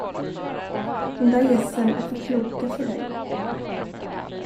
De där gässen är för kloka för dig.